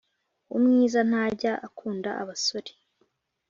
umwiza ntajya akunda abasore